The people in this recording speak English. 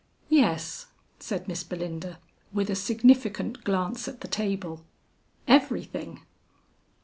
"Yes," said Miss Belinda, with a significant glance at the table, "everything."